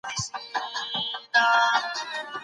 د جامدو او مایعو غوړیو تولید مخ په زیاتېدو دی.